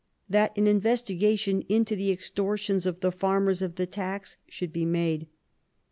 That an investigation into the extortions of the farmers of the taxes should be made.